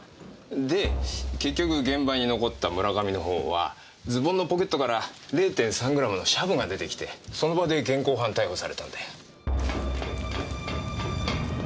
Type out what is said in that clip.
で結局現場に残った村上のほうはズボンのポケットから０．３グラムのシャブが出てきてその場で現行犯逮捕されたんだよ。